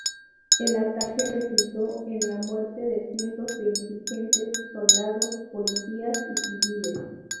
El ataque resultó en la muerte de cientos de insurgentes, soldados, policías y civiles.